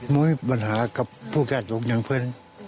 มีปัญหากับผู้แก่ดกยังเพิ่ง